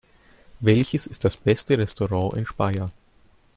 Welches ist das beste Restaurant in Speyer?